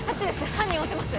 犯人追ってます